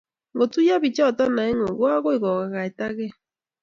kotuiyo biichoto aengu ko agoi kogagategei